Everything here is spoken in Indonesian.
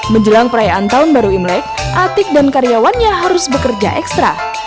menjelang perayaan tahun baru imlek atik dan karyawannya harus bekerja ekstra